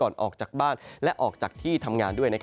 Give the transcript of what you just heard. ออกจากบ้านและออกจากที่ทำงานด้วย